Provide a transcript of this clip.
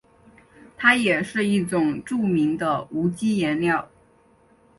它也是一种著名的无机颜料。